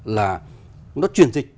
là nó truyền dịch